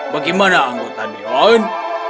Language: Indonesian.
bagaimana anggota dewan